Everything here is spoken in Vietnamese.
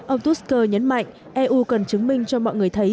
ông tusk nhấn mạnh eu cần chứng minh cho mọi người thấy